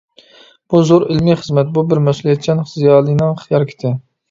بۇ زور ئىلمىي خىزمەت، بۇ بىر مەسئۇلىيەتچان زىيالىينىڭ ھەرىكىتى.